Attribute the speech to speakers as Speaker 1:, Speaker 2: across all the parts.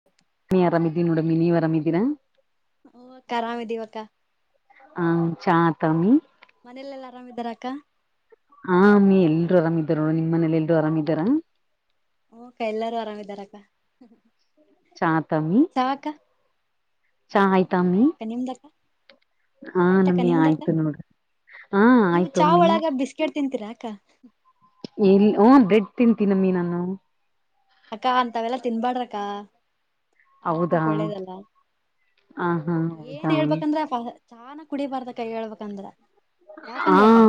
Speaker 1: ಹ
Speaker 2: ಆರಾಮ ನೋಡ ಮಿನ ನೀವು ಆರಾಮಿದ್ದೀರಾ.
Speaker 1: ಹು ಅಕ್ಕಾ ಆರಾಮಿದಿವಕ್ಕಾ
Speaker 2: ಹ ಚಾ ಆತಮ್ಮಿ
Speaker 1: ಮನೆಯಲೆೆಲ್ಲಾ ಆರಾಮ್ ಇದ್ದಾರಾ ಅಕ್ಕಾ
Speaker 2: ಆ ಅಮಿ ಎಲ್ರು ಆರಾಮಿದಾರ ನಿಮ್ಮಲ್ಲಿ ಎಲ್ಲರು ಆರಾಮ ಇದ್ದಾರಾ
Speaker 1: ಹುಂ ಅಕ್ಕಾ ಎಲ್ಲಾರು ಆರಾಮಿದಾರಕ್ಕಾ
Speaker 2: ಚಾ ಆತಮಿ
Speaker 1: ಹಾ ಅಕ್ಕಾ
Speaker 2: ಚಾ ಆಯ್ತಾಮಿ
Speaker 1: ನಿಮ್ದ ಅಕ್ಕ ಆಯ್ತಕ್ಕ
Speaker 2: ನಮ್ಮಿ
Speaker 1: ನಿಮ್ದಕ್ಕಾ
Speaker 2: ಆಯ್ತು ನೋಡ್ರಿ ಹಾ
Speaker 1: ನೀವು
Speaker 2: ಆಯ್ತು
Speaker 1: ಚಾವ
Speaker 2: ಅಮ್ಮಿ
Speaker 1: ಒಳಗ ಬಿಸ್ ಬಿಸ್ಕೆಟ್ ತಿಂತೀರಾ ಅಕ್ಕಾ
Speaker 2: ಇಲ್ಲಿ ಓ ಬ್ರೆಡ್ ತಿಂತಿ ನಮ್ಮಿ ನಾನು.
Speaker 1: ಅಕ್ಕಾ ಅಂತಾವೆಲ್ಲಾ ತಿನ್ಬಾಡ್ರಕ್ಕಾ
Speaker 2: ಹೌದಾ
Speaker 1: ಆರೋಗ್ಯಕ್ಕೆ
Speaker 2: ಹ
Speaker 1: ಒಳ್ಳೇದಲ್ಲಾ
Speaker 2: ಹಾ
Speaker 1: ಏನ್
Speaker 2: ಹೌದಾ
Speaker 1: ಹೇಳ್ಬೇಕಂದ್ರ ಚಾ ನ ಕುಡಿಬಾರದ ಅಕ್ಕಾ ಹೇಳಬೇಕ ಅಂದ್ರ
Speaker 2: ಹಾ
Speaker 1: ಯಾಕಂದ್ರೆ ಅಕ್ಕಾ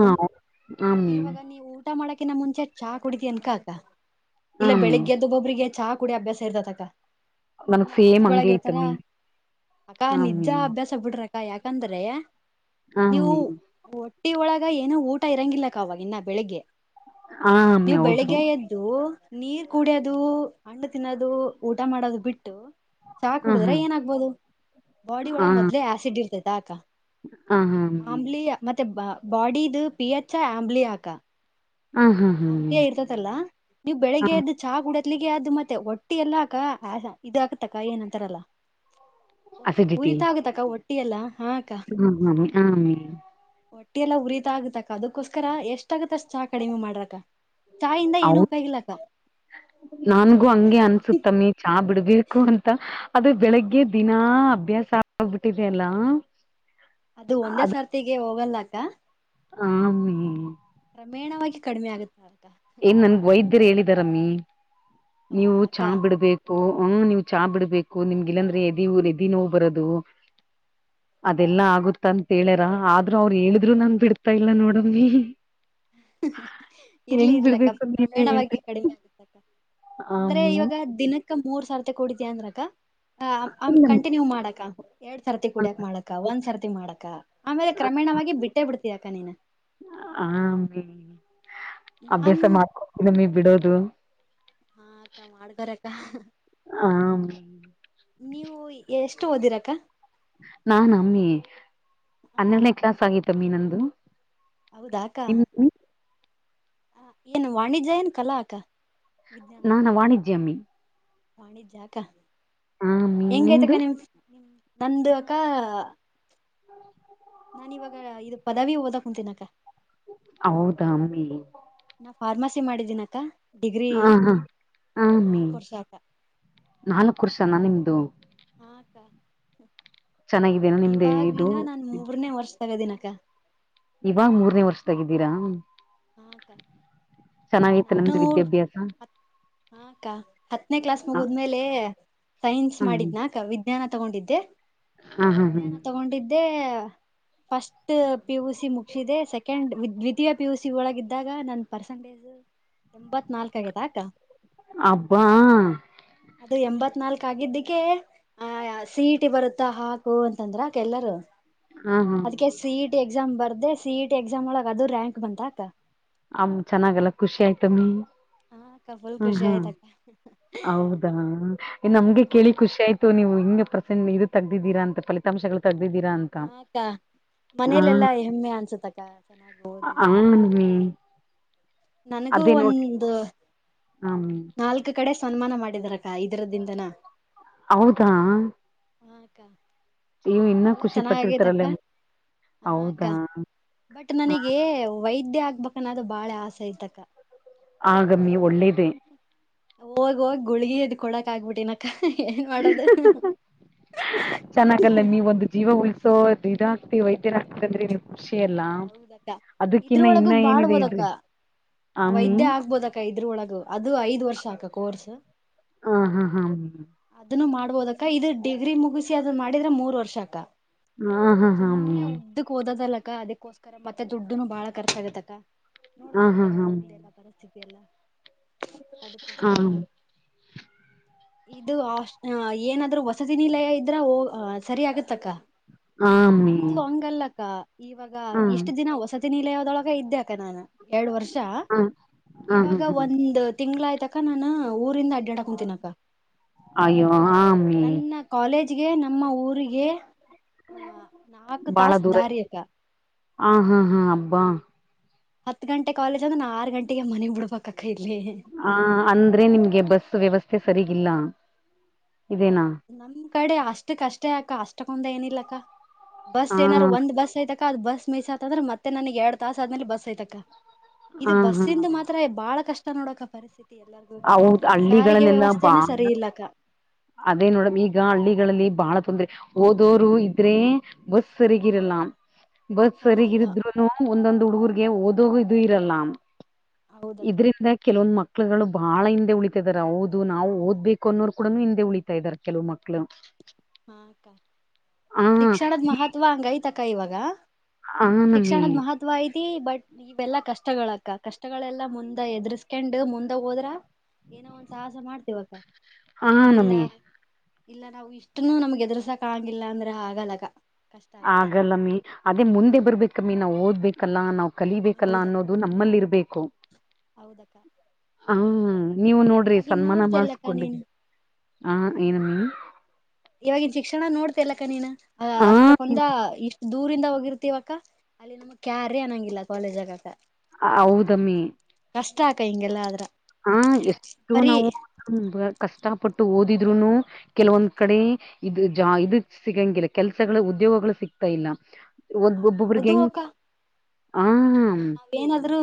Speaker 2: ಆಮ್ಮಿ
Speaker 1: ಇವಾಗ ನೀವು ಊಟಾ ಮಾಡೋಕಿನ ಮುಂಚೆ ಚಹಾ ಕುಡಿತಿಯನ್ ಅಕ್ಕಾ ಇಲ್ಲಾ
Speaker 2: ಆಮ್ಮಿ
Speaker 1: ಬೆಳಗ್ಗೆ ಒಬ್ಬೊಬ್ಬರಿಗೆ ಚಹಾ ಕುಡಿಯೋ ಅಭ್ಯಾಸ ಇರತ್ತೈತ ಅಕ್ಕಾ
Speaker 2: ನನಗ್
Speaker 1: ಇನ್ನ ಹಾಸಿ
Speaker 2: ಸೇಮ್ ಹಂಗೆ
Speaker 1: ಒಳಗಿರ್ತಾರಾ
Speaker 2: ಐತಮ್ಮಿ
Speaker 1: ಅಕ್ಕಾ
Speaker 2: ಆಮ್ಮಿ
Speaker 1: ನಿಜಾ ಅಭ್ಯಾಸ ಬಿಡ್ರಾ ಅಕ್ಕಾ ಯಾಕ್ ಅಂದ್ರೆ ನೀವು
Speaker 2: ಆಮ್ಮಿ
Speaker 1: ಹೋಟ್ಟಿ ಒಳಗ ಏನು ಊಟ ಇರಾಂಗಿಲಕ್ಕಾ ಅವಾಗ, ಇನ್ನ ಬೆಳಿಗ್ಗೆ
Speaker 2: ಆ ಅಮ್ಮಿ
Speaker 1: ನೀವು
Speaker 2: ಹೌದು
Speaker 1: ಬೆಳಿಗ್ಗೆ ಇದು ನೀರು ಕುಡಿಯೋದು, ಹಣ್ಣು ತಿನ್ನೋದು ಊಟ ಮಾಡೋದು ಬಿಟ್ಟು ಚಾಹ
Speaker 2: ಹ
Speaker 1: ಕುಡಿದರೆ
Speaker 2: ಹಾ
Speaker 1: ಏನಾಗಬಹುದು ಬಾಡಿ
Speaker 2: ಹ
Speaker 1: ಒಳಗ
Speaker 2: ಹ
Speaker 1: ಮೊದಲೇ ಆಸಿಡ್ ಇರ್ತೈತಾ ಅಕ್ಕಾ
Speaker 2: ಹಾ ಅಮ್ಮಿ
Speaker 1: ಆಮ್ಲೀಯ ಮತ್ತೆ ಬಾಡಿದು ಪಿಎಚ್ ಆಮ್ಲೀಯ ಅಕ್ಕಾ
Speaker 2: ಹ ಹಾ ಹಾ ಅಮ್ಮಿ.
Speaker 1: ಆಮ್ಲಿಯಾ ಇರ್ತತಲ್ಲಾ ನೀವು
Speaker 2: ಹ
Speaker 1: ಬೆಳಿಗ್ಗೆ ಎದ್ದು ಚಾ ಕುಡಿದ್ಮೇಲೆ, ಎದ್ದು ಮತ್ತೆ ಹೋಟ್ಟಿಯಲ್ಲಾ ಅಕ್ಕಾ. ಇದು ಆಗುತ್ತಾ ಕಾ ಏನಂತಾರಲ್ಲಾ
Speaker 2: ಅಸಿಡಿಟಿ
Speaker 1: ಉರಿತಾಗ ತಕ್ಕಾ ಹೋಟ್ಟಿ ಎಲ್ಲ ಹಾ ಅಕ್ಕಾ.
Speaker 2: ಹಾ ಹೌದಾ ಅಮ್ಮಿ
Speaker 1: ಹೋಟ್ಟಿಲ್ಲಾ ಉರಿತಾ ಆಗುತ್ತಾ ಅಕ್ಕಾ, ಅದಕ್ಕೋಸ್ಕರ ಎಷ್ಟು ಆಗುತ್ತೋ ಅಷ್ಟು ಚಾ ಕಡಿಮೆ ಮಾಡ್ರಿ ಅಕ್ಕಾ ಚಹಾದಿಂದ ಏನು ಉಪಯೋಗ ಇಲ್ಲ ಅಕ್ಕಾ
Speaker 2: ನನಗೂ ಹಂಗೆ ಅನ್ಸುತ್ತೆ ಅಮ್ಮಿ ಚಹಾ ಬಿಡಬೇಕು ಅಂತಾ ಅದು ಬೆಳಗ್ಗೆ ದಿನಾ ಅಭ್ಯಾಸ ಆಗಿಬಿಟ್ಟಿದೆ ಅಲ್ಲಾ
Speaker 1: ಅದು ಒಂದೇ ಸರ್ತಿಗೆ ಹೋಗಲ್ಲ ಅಕ್ಕಾ.
Speaker 2: ಹಾ ಅಮ್ಮಿ
Speaker 1: ಕ್ರಮೇಣವಾಗಿ ಕಡಿಮೆಯಾಗುತ್ತ ಅಕ್ಕಾ
Speaker 2: ನನಗೆ ವೈದ್ಯರು ಹೇಳಿದರು ಅಮ್ಮಿ ನೀವು
Speaker 1: ಹೌದಾಕ್ಕ
Speaker 2: ಚಾ ಬಿಡಬೇಕು. ಓಹ್, ನೀವು ಚಾ ಬಿಡಬೇಕು ನಿಮಗೆ ಇಲ್ಲಂದ್ರೆ ಎದಿಉರಿ ಓಹ್, ಎದಿ ನೋವು ಬರೋದು. ಅದೆಲ್ಲಾ ಆಗುತ್ತೆ ಅಂತ ಹೇಳ್ಯಾರಾ, ಆದ್ರೂ ಅವರು ಹೇಳಿದ್ರು ನಾನು ಬಿಡ್ತಾ ಇಲ್ಲ, ನೋಡಮ್ಮಿ.
Speaker 1: [inaudible] ಇರ್ಲಿ
Speaker 2: ಹೆಂಗ್
Speaker 1: ಇರ್ಲಕ್ಕಾ
Speaker 2: ಬಿಡ್ಬೇಕು ನೀವೇ
Speaker 1: ಕ್ರಮೇಣವಾಗಿ
Speaker 2: ಹೇಳ್ರಿ
Speaker 1: ಕಡಿಮೆ ಆಗುತ್ತೆ ಅಂದ್ರೆ
Speaker 2: ಆಮ್ಮಿ
Speaker 1: ಇವಾಗ ದಿನಕ್ಕೆ. ಅಕ್ಕ, ಮೂರ್ ಸಾರ್ಥೆ ಕೂಡಿದೆಯಾ ಅಂದ್ರಾ ಅಕ್ಕಾ ಅಂ, ಕಂಟಿನ್ಯೂ ಮಾಡಾಕ್ಕಾ. ಎರಡ್ ಸರತಿ ಕೂಡಾಕ್ ಮಾಡಕ್ಕಾ, ಒಂದ್ ಸರತಿ ಮಾಡಕ್ಕಾ, ಆಮೇಲೆ ಕ್ರಮೇಣವಾಗಿ ಬಿಟ್ಟೇ ಬಿಡ್ತೀ ಅಕ್ಕಾ ನೀನ್
Speaker 2: ಹಾ ಅಮ್ಮಿ
Speaker 1: ನಾನ್
Speaker 2: ಅಭ್ಯಾಸ ಮಾಡ್ಕೊಡ್ತರ ಬಿಡೋದು.
Speaker 1: ಹಾ ಅಕ್ಕಾ ಮಾಡ್ಕೋರಕ್ಕಾ
Speaker 2: ಆಮ್ಮಿ
Speaker 1: ನೀವು ಎಷ್ಟು ಓದಿರಿ ಅಕ್ಕಾ
Speaker 2: ನಾನ್ ಅಮ್ಮಿ
Speaker 1: ಹ ಅಕ್ಕ.
Speaker 2: ಹನ್ನೆರಡನೇ ಕ್ಲಾಸ್ ಆಗಿತ್ತು ಅಮ್ಮಿ ನಂದು
Speaker 1: ಹೌದು ಅಕ್ಕ
Speaker 2: ನಿಮ್ದಮ್ಮಿ
Speaker 1: ಹ ಏನ್ ವಾಣಿಜ್ಯ ಏನ್ ಕಲಾ ಅಕ್ಕ
Speaker 2: ನಾನ ವಾಣಿಜ್ಯ ಅಮ್ಮಿ
Speaker 1: ವಾಣಿಜ್ಯ ಅಕ್ಕ
Speaker 2: ಹಾಮ್ಮಿ
Speaker 1: ಹೆಂಗೈತು
Speaker 2: ನಿಮ್ದು
Speaker 1: ಅಕ್ಕ ನಿಮ್ ನಂದು ಅಕ್ಕ ನಾನು ಈಗ ಇದು ಪದವಿ ಓದ್ತೀನಿ ಅಕ್ಕ
Speaker 2: ಹೌದಾ ಅಮ್ಮಿ
Speaker 1: ನಾನು ಫಾರ್ಮಸಿ ಮಾಡ್ತೀನಿ ಅಕ್ಕ
Speaker 2: ಹ ಹಾ ಹ ಅಮ್ಮಿ
Speaker 1: ವರ್ಷ ಅಕ್ಕ
Speaker 2: ನಾಲ್ಕು ವರ್ಷ ನಾ ನಿಮ್ದು
Speaker 1: ಹಾ ಅಕ್ಕ
Speaker 2: ಚೆನ್ನಾಗಿದೇನ ನಿಮ್ದ ಇದು
Speaker 1: ಇವಗ ನನ್ ಮೂರನೇ ವರ್ಷದಲ್ಲಿದ್ದೀನಿ ಅಕ್ಕ
Speaker 2: ಇವಾಗ ಮೂರನೇ ವರ್ಷದಾಗ ಇದ್ದೀರಾ
Speaker 1: ಹಾ ಅಕ್ಕ
Speaker 2: ಚೆನ್ನಾಗಿತ್ತು ನಿಮ್ಮದು ವಿದ್ಯಾಭ್ಯಾಸ.
Speaker 1: ಹ ಅಕ್ಕ, ಹತ್ತನೇ ಕ್ಲಾಸ್ ಮುಗಿದ ಮೇಲೆ ಸೈನ್ಸ್
Speaker 2: ಹ್ಮ್
Speaker 1: ಮಾಡಿದದ್ನೇ ಅಕ್ಕ ವಿಜ್ಞಾನ್ ವಿಜ್ಞಾನ ತಗೊಂಡಿದ್ದೆ
Speaker 2: ಹ ಹಾ ಹ್ಮ
Speaker 1: ವಿಜ್ಞಾನ ತಗೊಂಡಿದ್ ಫಸ್ಟ್ ಪಿಯುಸಿ ಮುಗಿಸಿದೆ. ಸೆಕೆಂಡ್ ದ್ವಿತೀಯ ಪಿಯುಸಿ ಪ್ ಯು ಸಿ ಒಳಗ ಇದಿದ್ದಾಗ ನನ್ ಪರ್ಸೆಂಟೇಜ್ ಎಂಬತ್ ನಾಲ್ಕ ಆಗೈತಾಕಾ
Speaker 2: ಅಬ್ಬಾ
Speaker 1: ಅದು ಎಂಬತ್ ನಾಲ್ಕ ಆಗಿದ್ದಿಕ್ಕೇ ಆ ಸಿ ಇ ಟಿ ಬರುತ್ತಾ ಹಾಕು ಅಂತಂದ್ರ ಎಲ್ಲರು
Speaker 2: ಹಾ ಹಾ
Speaker 1: ಅದ್ಕ್ಕೆ ಸಿ ಇ ಟಿ ಎಕ್ಸಾಮ್ ಬರ್ದೆ ಸಿ ಇ ಟಿ ಎಕ್ಸಾಮ್ ಒಳಗ ಅದು ರ್ಯಂಕ್ ಬಂತ ಅಕ್ಕಾ
Speaker 2: ಅಮ್ ಚೆನ್ನಾಗಲ್ಲ ಖುಷಿ ಆಯ್ತಮ್ಮಿ
Speaker 1: ಹಾ ಅಕ್ಕ ಫುಲ್
Speaker 2: ಹ್
Speaker 1: ಖುಷಿ
Speaker 2: ಹ್
Speaker 1: ಆಯ್ತಕ್ಕ
Speaker 2: ಹೌದಾ ನಮಗೆ
Speaker 1: ಹಾ
Speaker 2: ಕೇಳಿ
Speaker 1: ಅಕ್ಕ
Speaker 2: ಖುಷಿ ಆಯ್ತು ನೀವು ಹಿಂಗ ಪ್ರಸೆಂಟ್ ಮೀರಿ ತಗ್ದಿದ್ದೀರಾ ಅಂತ ಫಲಾಂಶಗಳು ತಗ್ದಿದ್ದೀರಾ ಅಂತ
Speaker 1: ಆ ಅಕ್ಕ ಮನೇಲೆೆಲ್ಲಾ ಹೆಮ್ಮೆ ಅನ್ಸತ್ತಕ್ಕ ಚೆನ್ನಾಗಿ
Speaker 2: ಹ ಹಾ
Speaker 1: ಓದಿದ್ರ
Speaker 2: ಅಮ್ಮಿ
Speaker 1: ನನಗೂ ಒಂದು
Speaker 2: ಹಾ ಅಮ್ಮಿ
Speaker 1: ನಾಲ್ಕು ಕಡೆ ಸನ್ಮಾನ ಮಾಡಿದಾರಕ್ಕ ಇದರದಿಂದನ
Speaker 2: ಹೌದಾ
Speaker 1: ಹ ಅಕ್ಕ
Speaker 2: ಇವು ಇನ್ನ
Speaker 1: ಎಲ್ಲಾ
Speaker 2: ಖುಷಿ
Speaker 1: ಚೆನ್ನಾಗಿದೆ
Speaker 2: ಪಟ್ಟಿರ್ತಾರಲ್ಲ
Speaker 1: ಅಕ್ಕ ಹ ಅಕ್ಕ
Speaker 2: ಹೌದಾ
Speaker 1: ಬಟ್
Speaker 2: ಹ
Speaker 1: ನನಗೆ ವೈದ್ಯ್ ವೈದ್ಯ್ ಆಗ್ಬೇಕನ್ನೋದು ಅದು ಬಾಳೆ ಆಸೆ ಐತಕ್ಕ
Speaker 2: ಆಗಮ್ಮಿ ಒಳ್ಳೇದೆ
Speaker 1: ಹೋಗ್ ಹೋಗಿ ಗುಳ್ಗಿ ಇದದ್ ಕೊಡಕ್ ಆಗ್ಬಿಟ್ಟಿನಕ್ಕ ಏನ್ ಮಾಡೋದು
Speaker 2: ಚೆನ್ನಾಗಲ್ಲೇ ನೀವ್ ಒಂದು ಜೀವ ಉಳಿಸಲ್ ಸೊ ಇದ್ ಇದಾಗಕ್ತಿ ವೈದ್ಯರ್ ಹಾಕ್ತಂದ್ರೆ ನೀವು ಖುಷಿ ಎಲ್ಲಾ
Speaker 1: ಹೌದಕ್ಕ
Speaker 2: ಅದಕ್ಕಿನ್ನ
Speaker 1: ಇದ್ರೊಳಗು
Speaker 2: ಇನ್ನ ಏನಿದೆ
Speaker 1: ಮಾಡ್ಬೋದಕ್ಕ
Speaker 2: ಇರ್ಲಿ
Speaker 1: ವೈದ್ಯ ಆಗ್ಬೋದಕ್ಕ ಇದ್ರೊಳಗ ಅದು ಐದ್ ವರ್ಷ ಅಕ್ಕ ಕೋರ್ಸ್
Speaker 2: ಹ ಹಾ ಹಾ
Speaker 1: ಅದನ್ನು ಮಾಡ್ಬೋದಕ್ಕ ಇದು ಡಿಗ್ರಿ ಮುಗಿಸಿ ಅದ್ ಮಾಡಿದ್ರೆ ಮೂರ್ ವರ್ಷ ಅಕ್ಕ
Speaker 2: ಹಾ ಹಾ ಹಾ ಅಮ್ಮಿ
Speaker 1: ಸುಮ್ಮನೆ ಉದ್ದಕ್ ಓದದಲ್ಲಕ್ಕ ಅದಕ್ಕೋಸ್ಕರ ಮತ್ತೆ ದುಡ್ಡುನು ಬಾಳ ಕರ್ಚಗತ್ತಕ್ಕ
Speaker 2: ಹಾ
Speaker 1: ನೋಡ್ದೆ ಎಲ್ಲ
Speaker 2: ಹಾ ಹಮ್
Speaker 1: ಎಲ್ಲ ಪರಿಸ್ಥಿತಿ ಎಲ್ಲ
Speaker 2: ಹಾ
Speaker 1: ಅದಕ್ಕೋಸ್ಕರ
Speaker 2: ಹಾ
Speaker 1: ಇದು ಹಾಸ್ಟ್ ಏನಾದ್ರು ವಸತಿ ನಿಲಯ ಇದ್ರ ಹೊ ಸರಿ ಆಗತ್ತಕ್ಕ
Speaker 2: ಅಮ್ಮಿ
Speaker 1: ನಮ್ದು ಹಂಗಲ್ಲಕ್ಕ ಇವಾಗ
Speaker 2: ಹಾ
Speaker 1: ಇಷ್ಟ
Speaker 2: ಹಾ
Speaker 1: ದಿನ ವಸತಿ ವಸತಿ ನಿಲಯ ದೊಳಗ ಇದ್ದಕ್ಕ ನಾನು ಎರಡು ವರ್ಷ
Speaker 2: ಹಾ ಹಾ
Speaker 1: ಇವಾಗ
Speaker 2: ಹಾ
Speaker 1: ಒಂದು ತಿಂಗ್ಳಾಯ್ತಕ ನಾನನ್ ಊರಿಂದ ಅಡ್ಡಾಡ ಕುಂತಿನಕ್ಕ.
Speaker 2: ಅಯ್ಯೋ ಆಮೀ.
Speaker 1: ಕಾಲೇಜ್ಗೆ ನಮ್ಮ ಊರಿಗೆ ಆ ನಾಲ್ಕು ತಾಸ ದಾರಿಆಯ್ದ.
Speaker 2: ಆ ಹಾ ಹಾ ಅಬ್ಬಾ.
Speaker 1: ಹತ್ ಗಂಟೆ ಕಾಲೇಜ್ ಅಂದ್ರ ನಾ ಆರ್ ಗಂಟೆಗೆ ಮನೆಗ್ ಬಿಡಬೇಕಕ್ಕ ಇಲ್ಲಿ.
Speaker 2: ಹ ಅಂದ್ರೆ ನಿಮ್ಗೆ ಬಸ್ ವ್ಯವಸ್ಥೆ ಸರಿಗಿಲ್ಲ ಇದೇನಾ.
Speaker 1: ನಮ್ ಕಡೆ ಅಷ್ಟ ಕಷ್ಟೇ ಅಕ್ಕ ಅಷ್ಟಕ್ಕಂದ ಏನ ಇಲ್ಲಕ್ಕ ಬಸ್
Speaker 2: ಹಾ
Speaker 1: ಏನಾರರು ಒಂದ್ ಬಸ್ ಐದ ಅ ಅದು ಬಸ್ ಮಿಸ್ ಆತ ಅಂದ್ರೆ ಮತ್ತೆ ನನಗ್ ಎರಡ್ ತಾಸ ಆದ್ಮೇಲೆ ಬಸ್ ಐ್ತಕ್ಕ
Speaker 2: ಹಾ
Speaker 1: ಇದು
Speaker 2: ಹಾ
Speaker 1: ಬಸ್ಸಿಂದ ಮಾತ್ರ ಬಾಳ ಕಷ್ಟ ನೋಡಕ ಪರಿಸ್ಥಿತಿ ಎಲ್ಲರಿಗು
Speaker 2: ಹೌದ್
Speaker 1: ಸಾರಿಗೆ
Speaker 2: ಹಳ್ಳಿಗಳಲ್ಲೆಲ್ಲಾ
Speaker 1: ವ್ಯವಸ್ಥೆನ
Speaker 2: ಬಾಳ
Speaker 1: ಸರಿ ಇಲ್ಲಕ್ಕ.
Speaker 2: ಅದೇ ನೋಡಮ್ ಈಗ ಹಳ್ಳಿಗಳಲ್ಲಿ ಬಾಳ ತೊಂದ್ರರೆ ಓದೋರು ಇದ್ರೆ. ಬಸ್ ಸರಿಗೆ ಇರಲ್ಲ. ಬಸ್
Speaker 1: ಹೌದಕ್ಕ
Speaker 2: ಸರಿಗರಿದ್ರುನು ಒಂದೊಂದ್ ಹುಡುಗರ್ಗೆ ಓದೋಗ ಇದು ಇರಲ್ಲ.
Speaker 1: ಹೌದಕ್ಕ
Speaker 2: ಇದ್ರಿಂದ ಕೆಲವೊಂದು ಮಕ್ಳುಗಳು. ಬಾಳ ಹಿಂದೆ ಉಳಿತಾ ಇದಾರ ಹೌದು ನಾವು ಓದ್ಬೇಕು ಅನ್ನೋರು ಕೂಡ ಹಿಂದೆ ಉಳಿತಾ ಇದಾರೆ ಕೆಲವು ಮಕ್ಕಳು.
Speaker 1: ಹಾ ಶಿಕ್ಷಣದ ಮಹತ್ವ ಹಂಗೈತಕ್ಕ ಇವಾಗ.
Speaker 2: ಹ ನಮ್ಮಿ
Speaker 1: ಶಿಕ್ಷಣದ ಮಹತ್ವ ತ್ವಾ ಐತಿ ಬಟ್ ಇವೆಲ್ಲಾ ಕಷ್ಟಗಳಕ್ಕ ಕಷ್ಟಗಳೆಲ್ಲಾ ಮುಂದ ಎದರ್ಸ್ಕಂಡ್ ಮುಂದಾಗ ಹೋದ್ರ. ಏನೋ ಒಂದ ಸಾಹಸ ಮಾಡ್ತೇವಕ್ಕ
Speaker 2: ಹ
Speaker 1: ಇಲ್ಲ
Speaker 2: ನಮ್ಮಿ
Speaker 1: ಇಲ್ಲ ನಾವು ಇಷ್ಟ ಅಷ್ಟ ನಮ್ಗೆ ಎದುರು ಸಾಕಕ್ ಆಗಿಲ್ಲ ಅಂದ್ರೆ ಆಗಲ್ಲ ಅಕ್ಕ.
Speaker 2: ಆಗಲ್ಲಮ್ಮಿ ಅದೇ ಮುಂದೆ ಬರ್ಬೇಕಮ್ಮಿ ನಾವ್ ಓದ್ಬೇಕಲ್ಲಾ ನಾವ್ ಕಲಿಬೇಕಲ್ಲ
Speaker 1: ಹೌದಕ್ಕ
Speaker 2: ಅನ್ನೋದು. ಇದು ನಮ್ಮಲ್ಲಿ ಇರ್ಬೇಕು.
Speaker 1: ಹೌದಕ್ಕ.
Speaker 2: ಹಾ ನೀವು ನೋಡ್ರಿ
Speaker 1: ಇವಾಗಿನ್
Speaker 2: ಸನ್ಮಾನ
Speaker 1: ನೋಡ್ತಿಲ್ಲಕ್ಕ
Speaker 2: ಮಾಡಸ್ಕೊಂಡ್ರಿ
Speaker 1: ನೀನು
Speaker 2: ಹ ಏನ ನಮ್ಮೀ.
Speaker 1: ಇವಾಗಿ ಈ ಶಿಕ್ಷಣ ನೋಡ್ತಿಲಕ್ಕ ನೀನ್ ಅ
Speaker 2: ಹ
Speaker 1: ಅಷ್ಟಕ್ಕೊಂದ ಇಷ್ಟ ದೂರಿಂದ ಹೋಗಿರ್ತಿವಕ್ಕ ಅಲ್ಲಿ ನಮ್ಗ್ ಕ್ಯಾರಿ ಅನ್ನಂಗಿಲ್ಲ ಕಾಲೇಜ್ ಆಗಕ.
Speaker 2: ಹೌದಮ್ಮಿ.
Speaker 1: ಕಷ್ಟ ಆಕ ಹಿಂಗೆಲ್ಲ ಆದ್ರ.
Speaker 2: ಹಾ ಎಷ್ಟು
Speaker 1: ಬರೀ
Speaker 2: ನಾವು ಕಷ್ಟಪಟ್ಟು ಓದಿದ್ರುನು. ಕೆಲವೊಂದ್ ಕಡೆ ಇದು ಜಾ ಇದದು ಸಿಗಂಗಿಲ್ಲ ಕೆಲ್ಸಗಳು ಉದ್ಯೋಗಗಳು ಸಿಗ್ತಾ ಇಲ್ಲ. ಒಬ್ ಒಬ್ಬೊಬ್ರಿಗೆ
Speaker 1: ಹೌದು
Speaker 2: ಹೆಂಗ
Speaker 1: ಅಕ್ಕ
Speaker 2: ಆ.
Speaker 1: ನಾವ್ ಏನಾದ್ರು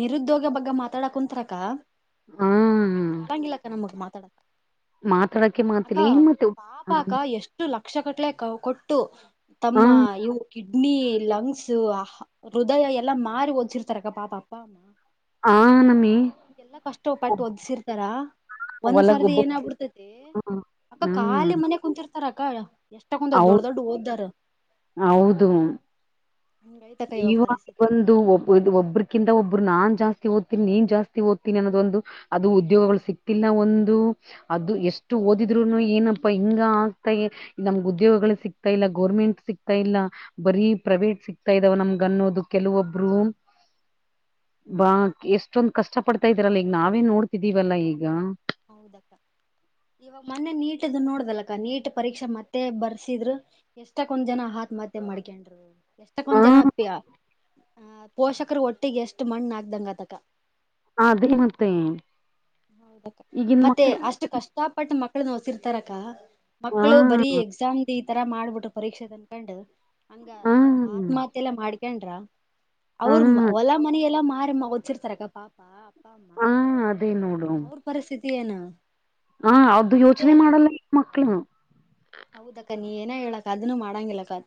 Speaker 1: ನಿರುದ್ಯೋಗ ಬಗ್ ಮಾತಾಡ ಕುಂತರಕ.
Speaker 2: ಹಾ
Speaker 1: ಅರಂಗಿಲ್ಲಾಕ್ಕ ನಮಗೆ ಮಾತಾಡ.
Speaker 2: ಮಾತಾಡಕ್ಕೆ ಮಾತಿಲಿ ಏನ್ ಮಾ
Speaker 1: ಷ್ಟು ಲಕ್ಷ ಕಟ್ಲೆ ಕೊಟ್ಟು ತಮ್ಮ ಇವು. ನ್ನಿ ಲಂಗ್ಸ ಹೃದಯ ಎಲ್ಲಾ ಮಾರಿ ಓದ್ಸಿರ್ ತರಕ ಪಾಪ ಅಪ್ಪ ಅಮ್ಮ.
Speaker 2: ಆನಮೀ.
Speaker 1: ಎಲ್ಲಾ ಕಷ್ಟ ಪಾಟ್ಟು ಒಓದ್ಸಿರ್ತಾರ ಒಂದ್
Speaker 2: ಒಲಗ
Speaker 1: ಸರ್ದಿ
Speaker 2: ಒಬ್ಬ
Speaker 1: ಏನಾಗಗ್ಬಿಡ್ತತಿ. ಅಕ್ಕ
Speaker 2: ಹ್ಮ
Speaker 1: ಖಾಲಿ ಮನೆ ಕುಂತಿರ್ತಾರ ಅಕ್ಕ ಎಷ್ಟ ಕುಂದ ದೊಡ್ಡ
Speaker 2: ಹೌದ್
Speaker 1: ದೊಡ್ಡ ಓದ್ದಾರ.
Speaker 2: ಹೌದು
Speaker 1: ಹಂಗೈತಕ್ಕ
Speaker 2: ಇವಾಗ
Speaker 1: ಪರಿಸ್ಥಿತಿ
Speaker 2: ಬಂದು ಒ ಒ ಒಬ್ರಕಿಂತ ಒಬ್ಬರು ನಾ ಜಾಸ್ತಿ ಓದ್ತಿನನಿ ನೀನ್ ಜಾಸ್ತಿ ಓದ್ತಿನಿನ್ನೋದೊಂದು. ಅದು ಉದ್ಯೋಗಗಳು ಸಿಕ್ತಿಲ್ಲ ಒಂದು ಅದು ಎಷ್ಟು
Speaker 1: ಹೌದಕ್ಕ
Speaker 2: ಓದಿದ್ರುನು ಏನ ಹಿಂಗ ಆಗ್ತಾ ನಮ್ಗ ಉದ್ಯೋಗಗಳು ಸಿಕ್ತಾ ಇಲ್ಲ ಗೋರ್ಮೆಂಟ್ ಸಿಗ್ತಾ ಇಲ್ಲ. ಬರೀ ಪ್ರೈವೇಟ್ ಸಿಕ್ತಾ ಇದಾವ ನಮ್ಗ ಅನ್ನೋದು ಕೆಲವೊಬ್ರು. ಬಾ ಎಷ್ಟೊಂದ್ ಕಷ್ಟ ಪಡ್ತಾ ಇದ್ದೀರಲ್ಲ ಈಗ ನಾವೇ ನೋಡ್ತಿದೀವಲ್ಲಾ ಈಗ
Speaker 1: ಹೌದಕ್ಕ ಇವಾಗ ಮೊನ್ನೆ ನೀಟ್ದ ನೋಡ್ದಲಕ್ಕ ನೀಟ್ ಪರೀಕ್ಷೆ ಮತ್ತೆ ಬರ್ಸಿದ್ರು ಎಷ್ಟಕ್ಕೊಂದ್ ಜನ ಆತ್ಮಹತ್ಯೆ ಮಾಡ್ಕೊಂಡರು
Speaker 2: ಹಾ
Speaker 1: ಎಷ್ಟಕ್ಕೊಂದ್ ಜನ ಅ ಪ ಆ ಪೋಷಕರು ಒಟ್ಟಿಗೆ ಎಷ್ಟು ಮಣ್ ಆಕ್ದಂಗ್ ಅತಕ್ಕ
Speaker 2: ಅದೇ ಮತ್ತೆ
Speaker 1: ಹೌದಕ್ಕ
Speaker 2: ಈಗಿನ್
Speaker 1: ಮತ್ತೆ
Speaker 2: ಮಕ್ಳು
Speaker 1: ಅಷ್ಟು ಕಷ್ಟ ಪಟ್ ಮಕ್ಕಳನ್ನ ಹೊಸಿರ್ತಾರಕ್ಕ
Speaker 2: ಹಾ
Speaker 1: ಮಕ್ಕಳು ಬರೀ ಎಕ್ಸಾಮ್ದ ಈ ತರ ಮಾಡ್ಬಿಟ್ಟು ಪರೀಕ್ಷೆ ಅನ್ಕಂಡ್ ಹಂಗ
Speaker 2: ಹಾ
Speaker 1: ಆತ್ಮಹತ್ಯ ಎಲ್ಲ ಮಾಡ್ಕೊಂಡ್ರ
Speaker 2: ಹಾ
Speaker 1: ಅವ್ರ ಹೊಲ ಮನ ಎಲ್ಲ ಮಾರಿ ಹೊಚ್ಚಿರ್ತಾರಕ್ಕ ಪಾಪ
Speaker 2: ಹಾ ಅದೇ ನೋಡು
Speaker 1: ಅವ್ರ ಪರಿಸ್ಥಿತಿ ಎನಾ
Speaker 2: ಹ ಅದು ಯೋಚನೆ ಮಾಡಲ್ಲ ಮಕ್ಳು
Speaker 1: ಹೌದಕ್ಕ ನೀ ಏನ ಹೇಳಕ್ಕ ಅದನ್ನ ಮಾಡಂಗಿಲ್ಲಕ್ಕ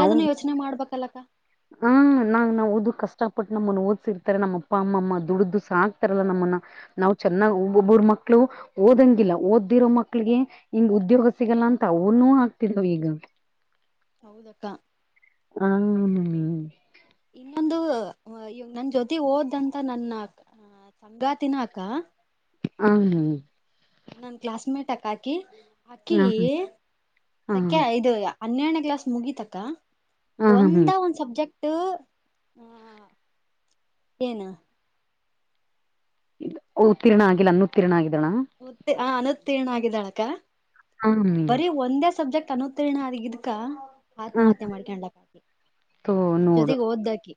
Speaker 2: ಅವು
Speaker 1: ಯೋಚನೆ ಮಾಡ್ಬೇಕಲ್ಲಕ್ಕ [unintelligible]
Speaker 2: [unintelligible] ನಾಗ ನಾ ಓದ ಕಷ್ಟಪಟ್ಟ ನಮ್ಮನ್ನು ಓದ್ಸಿರ್ತಾರೆ ನಮ್ಮ ಅಪ್ಪ ಅಮ್ಮಮ್ಮ ದುಡ್ದು ಸಾಕ್ತಾರಲ್ಲಾ ನಮ್ಮನ್ನ ನಾವ್ ಚೆನ್ನಾಗ್ ಒಬ್ ಒಬ್ಬರ್ ಮಕ್ಳು ಓದಂಗಿಲ್ಲ ಓದ್ದಿರೋ ಮಕ್ಳಿಗೆ ಹಿಂಗ್ ಉದ್ಯೋಗ ಸಿಗಲ್ಲ ಅಂತ ಅವನುೂ ಆಗ್ತಿದಾವ ಈಗ
Speaker 1: ಹೌದಕ್ಕ
Speaker 2: ಹಾ
Speaker 1: ಇನ್ನೊಂದು ಇವ್ ನನ್ ಜೊತೆ ಹೋದಂತ ನನ್ನ ಸಂಗಾತಿನ ಅಕ್ಕ
Speaker 2: ಹಾ ಹಾ
Speaker 1: ನನ್ ಕ್ಲಾಸ್ಮೇಟ್ ಅಕ ಹಾಕಿ ಆಕಿ
Speaker 2: ಹ
Speaker 1: ಸಕ
Speaker 2: ಹ
Speaker 1: ಇದು ಹನ್ನೆರಡನೇ ಕ್ಲಾಸ್ ಮುಗಿತಕ ಒಂದ
Speaker 2: ಹ್ಮ್
Speaker 1: ಒಂದ್ ಸಬ್ಜೆಕ್ಟ್ ಏನು
Speaker 2: ಇ ಉತ್ತೀರ್ಣ ಆಗಿಲ್ಲ ಅನ್ನು ಉತ್ತೀರ್ಣ ಆಗಿದಳ
Speaker 1: ಆ ಅನುತ್ತೀರ್ಣ ಆಗಿದಾಳಕ್ಕ
Speaker 2: ಹ್ಮ
Speaker 1: ಬರೀ ಒಂದೇ ಸಬ್ಜೆಕ್ಟ್ ಅನುತ್ ತಿರ್ಣ ಅಗಿಇದ್ಕ
Speaker 2: ಹ
Speaker 1: ಆತ್ಮಹತ್ಯೆ ಮಾಡ್ಕಂಡ ಆಕಿ ನನ್ ಜೊತೆ ಓದ್ ಆಕಿ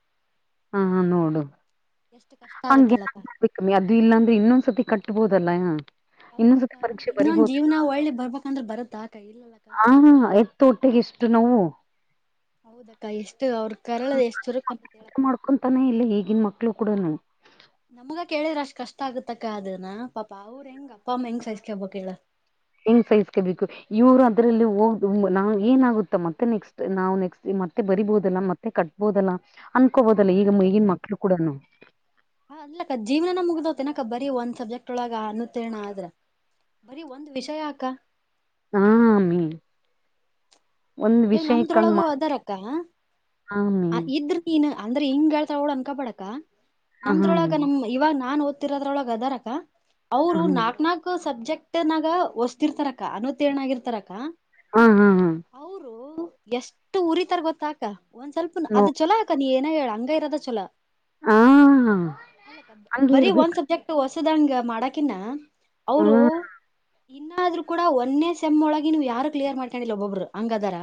Speaker 2: ಹಾ ನೋಡು
Speaker 1: ಎಷ್ಟು ಕಷ್ಟ
Speaker 2: ಹ
Speaker 1: ಆಗತ್ತಲ್ಲಕ್ಕ
Speaker 2: [inaudible] ಕಮ್ಮಿ ಅದು ಇಲ್ಲಾಂದ್ರೆ ಇನ್ನೊಂದ್ಸತಿ ಕಟ್ಬೋದಲ್ಲಾ
Speaker 1: ಹೌದಕ್ಕ ಇನ್ನೊಂದ್ ಜೀವನ ಒಳ್ಳೆ ಬರ್ಬೇಕಂದ್ರೆ ಬರುತ್ತ ಆಕ ಇಲ್ಲಲ್ಲಕ್ಕ
Speaker 2: ತೋಟಗಿಷ್ಟು ನೋವು
Speaker 1: ಹೌದಕ್ಕ ಎಷ್ಟು ಅವ್ರರು ಕರಳ ಎಷ್ಟು ಚುರುಕ್ ಅಂತ ಹೇಳಕ್ಕ
Speaker 2: ಅಕೊಂತಾನೆ ಇಲ್ಲ ಈಗಿನ ಮಕ್ಳು ಕೂಡನು
Speaker 1: ನಮಗ ಕೇಳಿದ್ರ ಅಷ್ಟ್ ಕಷ್ಟ ಆಗತ್ತಕ್ಕ ಅದುನ್ನ ಪಾಪಾ ಅವ್ರ ಹೆಂಗ ಅಪ್ಪ ಅಮ್ಮ ಹೆಂಗ್ ಸೈಸ್ಕಬೇಕ್ ಹೇಳ
Speaker 2: ಯಂಗ್ ಸೈಸ್ಕ ಬೇಕು ಇವರು ಅದ್ರಲ್ಲಿ ಹೋಗ ನಾ ಏನ ಆಗುತ್ತ ಮತ್ತೆ ನೆಕ್ಸ್ಟ್ ನಾವು ನೆಕ್ಸ್ಟ್ ಮತ್ತೆ ಬರಿಬಹುದಲ್ಲ ಮತ್ತೆ ಕಟ್ ಬೋದಲ್ಲ
Speaker 1: ಹಾ
Speaker 2: ಅನ್ಕೋಬೋದಲ್ಲ ಈಗ ಈಗಿನ ಮಕ್ಳು ಕೂಡನು
Speaker 1: ಹ ಅಲ್ಲಕ್ಕ ಜೀವ್ನನೆ ಮುಗ್ದೋಯ್ತ ತೆನಕ ಬರಿ ಒಂದ ಸಬ್ಜಕ್ಟ್ ಒಳ ಅನುತೀರ್ಣ ಆದ್ರ ಬರೀ ಒಂದ್ ವಿಷಯ ಅಕ್ಕ
Speaker 2: ಹಾಮಿ ಒಂದ್
Speaker 1: ಈಗ
Speaker 2: ವಿಷಯಕ್ಕಂಗ
Speaker 1: ನಮ್ದ್ರೊಳಗೂ
Speaker 2: ಮಾಡ ಅಮ್ಮಿ
Speaker 1: ಅ ಇದ್ರ ನೀನ್ ಅಂದ್ರೆ ಹಿಂಗ್ ಹೇಳ್ತ ಅವಳ ಅನ್ಕಬಡಕ
Speaker 2: ಹ ಹಾ
Speaker 1: ನಮ್ದ್ರೊಳಗ ನಮ ಇವಾಗ ನಾನ್ ಓದ್ತಿರೋದ್ರೊಳಗೆ ಅದರಕ ಅವ್ರು
Speaker 2: ಅಮ್ಮಿ
Speaker 1: ನಾಕ್ ನಾಕು ಸಬ್ಜೆಕ್ಟ್ ಒಟ್ಟನಾಗ ಹೊಸ್ತಿರ್ತಾರಕ್ಕ ಅನುತೀಣಗರ್ತಾರಕ್ಕ
Speaker 2: ಹ ಹಾ ಹಾ ಹಾ
Speaker 1: ಅವ್ರು ಎಷ್ಟು ಉರಿತರ್ ಗೊತ್ತಾಕ ಒಂದ್ ಸ್ವಲ್ಪ
Speaker 2: ನೋ
Speaker 1: ಅದ್ ಚೊಲೋ ಅಕ ನೀ ಏನೋ ಹೇಳ ಹಂಗ ಇರೋದ ಚೊಲೋ
Speaker 2: ಹ
Speaker 1: ಅಲ್ಲ ಕ
Speaker 2: ಹಂಗೆ
Speaker 1: ಬರಿ ಒಂದ್
Speaker 2: ಇರ್ಬೇಕು
Speaker 1: ಸಬ್ಜೆಕ್ಟ್ ಹೊಸದಂಗ ಮಾಡಕಿನ
Speaker 2: ಹ
Speaker 1: ಅವರು ಇನ್ನಾದ್ರು ಕೂಡ ಒನ್ನೆ ಸೆಮ್ ಒಳಗೆ ನೀವ್ ಯಾರು ಕ್ಲಿಯರ್ ಮಾಡ್ಕೊಂಡಿಲ್ಲ ಒಬೊಬ್ಬರು ಹಂಗದಾರ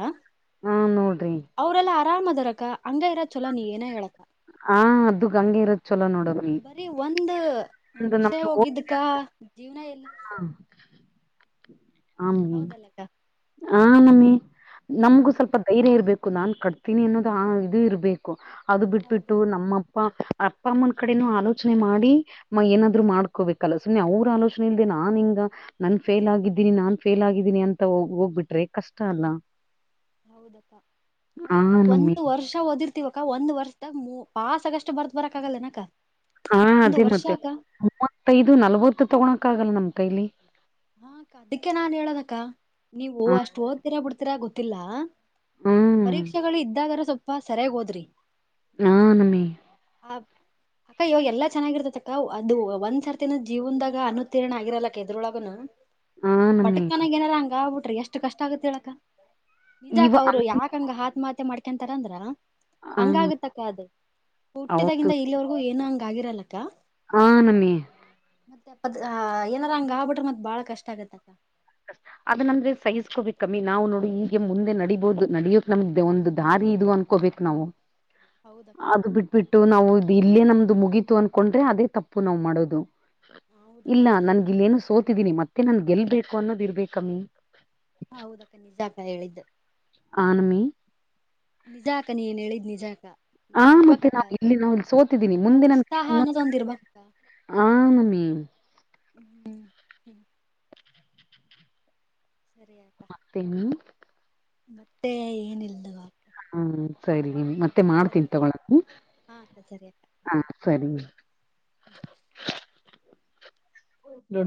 Speaker 2: ಹಾ ನೋಡ್ರಿ
Speaker 1: ಅವ್ರಲ್ಲ ಆರಾಮ ಅದರಕ ಹಂಗ ಇರೋ ಚೊಲೋ ನೀ ಏನ ಹೇಳಕ್ಕ
Speaker 2: ಹ ಅದು ಹಂಗೆ ಇರೋದ್ ಚಲೋ ನೋಡಮ್ಮಿ
Speaker 1: ಬರೀ ಒಂದ
Speaker 2: ಒಂದು
Speaker 1: ವಿಷಯ ಹೋಗಿದ್ದಕ್ಕ ಜೀವ್ನ ಎಲ್ಲಿ
Speaker 2: ಹಾ ಹಾ ಅಮ್ಮಿ
Speaker 1: ಹೌದಲ್ಲಕ್ಕ
Speaker 2: ಹಾ ನಮ್ಮಿ ನಮಗೂ
Speaker 1: ಹ
Speaker 2: ಸ್ವಲ್ಪ ಧೈರ್ಯ ಇರ್ಬೇಕು ನಾನ್ ಕಟ್ತೀನಿ ಅನ್ನೋದು ಆ ಇದು ಇರ್ಬೇಕು ಅದು ಬಿಟಿಬಿಟ್ಟು
Speaker 1: ಹೌದಕ್ಕ
Speaker 2: ನಮ್ಮಪ್ಪ ಅಪ್ಪ ಅಮ್ಮನ ಕಡೆನೂ ಆಲೋಚನೆ ಮಾಡಿ ಮಾ ಏನಾದ್ರು ಮಾಡ್ಕೋಬೇಕಲ್ಲ ಸುಮ್ಮನೆ ಅವ್ರ ಆಲೋಚನೆ ಇಲ್ದೆ ನಾ ಹಿಂಗ ನನ್ ಫೇಲ್ ಆಗಿದ್ದೀನಿ ನಾನ್ ಫೇಲ್ ಆಗಿದ್ದೀನಿ ಅಂತ ಹೋಗ್ ಹೋಗ್ಬಿಟ್ರೆ ಕಷ್ಟ ಅಲ್ಲ
Speaker 1: ಹೌದಕ್ಕ
Speaker 2: ಆ
Speaker 1: ಅಲ್ಲಕ್ಕ
Speaker 2: ನಮ್ಮಿ
Speaker 1: ಒಂದು ವರ್ಷ ಓದಿರ್ತಿವಕ್ಕಾ ಒಂದು ವರ್ಷದಾಗ ಪಾಸಸ್ಗಷ್ಟು ಬರ್ ಬರಕಕ್ಕಗಲ್ಲೇನಕ
Speaker 2: ಹಾ ಅದೇ ಮತ್ತೆ ಮೂವತ್ತೈದು ನಲ್ವತ್ತು ತಗೊಳಕ್ ಆಗಲ್ಲ ನಮ್ ಕೈಲಿ
Speaker 1: ಹಾ ಅಕ್ಕಾ ಅದಕ್ಕೆ ನಾನ್ ಹೇಳದಕ್ಕ ನೀವು
Speaker 2: ಹ
Speaker 1: ಅಷ್ಟು ಓದ್ತೀರಾ ಬಿಡ್ತೀರಾ ಗೊತ್ತಿಲ್ಲಾ
Speaker 2: ಹ್ಮ್
Speaker 1: ಪರೀಕ್ಷೆಗಳು ಇದ್ದಾಗರ ಸ್ವಲ್ಪ ಸರಿಯಾಗೋದ್ರಿ
Speaker 2: ಹ ನಮ್ಮಿ
Speaker 1: ಆಬ್ ಈಗ ಎಲ್ಲ ಚನ್ನಾಗಿರ್ತತಕ್ಕ ಅದು ಒಂದ್ಸರ್ತಿನೂ ಜೀವನದಾಗ ಅನ್ಉತ್ತೀರ್ಣ ಆಗಿರಲ್ಲಕ್ಕ ಯಾವದ್ರೊಳಗುನು
Speaker 2: ಹಾ ನಮ್ಮಿ
Speaker 1: ಪಟಕ್ಕನಾಗ ಏನಾರ ಹಂಗ ಆಗ್ ಬಿಟ್ರಿ ಎಷ್ಟು ಕಷ್ಟ ಆಗತ್ತ ಹೇಳಕ್ಕ ನಿಜಾಕ
Speaker 2: ಇವ ಹಾ
Speaker 1: ಅವ್ರು ಯಾಕ್ ಹಂಗ್ ಆತ್ ಮಾತೆ ಮಾಡ್ಕೊತರ ಅಂದ್ರ ಹಂಗ ಆಗತ್ತಕ್ಕ ಅದು
Speaker 2: ಹೌದು
Speaker 1: ಹುಟ್ಟಿದಾಗಿಂದ ಇಲ್ಲಿವರೆಗೂ ಏನು ಹಂಗ ಆಗಿರಲ್ಲಕ್ಕ
Speaker 2: ಹಾ ನಮ್ಮಿ
Speaker 1: [unintelligible] ಏನಾರ ಹಂಗ ಆಗ್ಬಿಟ್ರೆ ಮತ್ ಬಾಳ ಕಷ್ಟ ಆಗತ್ತಕ್ಕ
Speaker 2: ಅದನ್ನಂದ್ರೆ ಸೈಜ್ಕೋ ಬಬೇಕ್ ಕಮ್ಮಿ ನಾವು ನೋಡಿ ಈಗೆ ಮುಂದೆ ನಡಬೋದು ನಡಿಯೋಕ್ ನಮ್ದ ಒಂದು ದಾರಿ ಇದು ಅನ್ಕೋ ಕೋಬೇಕ್ ನಾವು
Speaker 1: ಹೌದಕ್ಕ
Speaker 2: ಅದು ಬಿಟ್ ಬಿಟ್ಟು ನಾವು ಇಲ್ಲೇ ನಮ್ದು ಮುಗೀತು ಅನ್ಕೊಂಡ್ರೆ ಅದೇ ತಪ್ಪು ನಾವ್ ಮಾಡೋದು
Speaker 1: ಹೌದಕ್ಕ
Speaker 2: ಇಲ್ಲ ನನ್ಗ ಇಲ್ಲೇನು ಸೋತಿದ್ದೀನಿ ಮತ್ತೆ ನನ್ ಗೆಲ್ಬೇಕು ಅನ್ನೋದ್ ಇರ್ಬೇಕಮ್ಮಿ
Speaker 1: ಹ ಹೌದಕ್ಕ ನಿಜ ಅಕ್ಕ ಹೇಳಿದ್
Speaker 2: ಹಾ ನಮ್ಮಿ
Speaker 1: ನಿಜಾಕ್ಕ ನೀಏನ್ ಹೇಳಿದ್ ನಿಜಾಕ್ಕ
Speaker 2: ಹಾ ಮತ್ತೆ ನಾವು ಇಲ್ಲಿ ನಾ ಸೋತಿದ್ದೀನಿ
Speaker 1: ಆ
Speaker 2: ಮುಂದೆ ನಾನ್
Speaker 1: ಉತ್ಸಾಹ
Speaker 2: [unintelligible]
Speaker 1: [inaudible]
Speaker 2: ಹ ನಮ್ಮಿ
Speaker 1: ಹ್ಮ್ ಹ ಸರಿ ಆಯ್ತು
Speaker 2: ಮತ್ತೇ ನೀ
Speaker 1: ಮತ್ತೆ ಏನ ಇಲ್ಲ
Speaker 2: ಹ್ಮ್ ಸರಿ ಮತ್ತೆ ಮಾಡ್ತೀನಿ ತಗೊಳಮ್ಮಿ
Speaker 1: ಹಾ ಅಕ್ಕ ಸರಿ ಅಕ್ಕ
Speaker 2: ಹಾ
Speaker 1: ಬಾಯ್.
Speaker 2: ಸರಿ [unintelligible]